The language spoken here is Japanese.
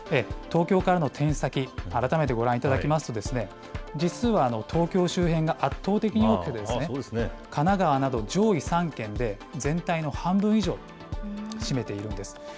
東京からの転出先、改めてご覧いただきますと、実数は東京周辺が圧倒的に多くて、神奈川など上位３県で全体の半分以上を占めているんです。